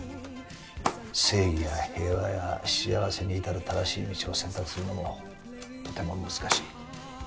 正義や平和や幸せに至る正しい道を選択するのもとても難しい。